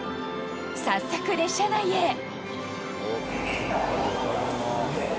早速、列車内へ。